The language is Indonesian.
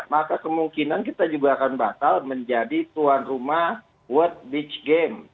maka kemungkinan kita juga akan batal menjadi tuan rumah world beach game